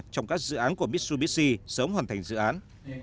trong các dự án của mitsubishi sớm hoàn thành dự án